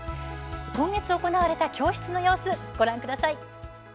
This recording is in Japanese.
今月行われた教室の様子をご覧ください。